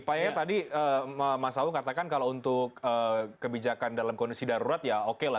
pak yaya tadi mas aung katakan kalau untuk kebijakan dalam kondisi darurat ya oke lah